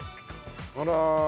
あら。